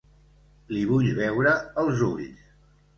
Li vull veure els ulls.